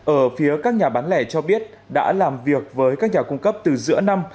ở phía các nhà bán lẻ cho biết đã làm việc với các nhà cung cấp từ giữa năm